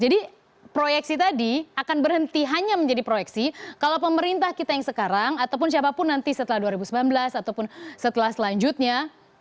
jadi proyeksi tadi akan berhenti hanya menjadi proyeksi kalau pemerintah kita yang sekarang ataupun siapapun nanti setelah dua ribu sembilan belas ataupun setelah selanjutnya